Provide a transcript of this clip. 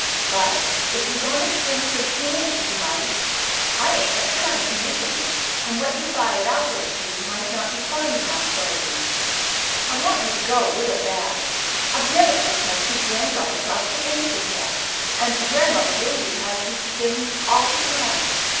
But if you wanted to bring some candy, you might. I ain't got time to make any, and what you buy at our grocery might not be fine enough fer you. I want you to go real bad. I've never took my two granddaughters off to anything yet, and your Grandmother Bailey has you to things all the time.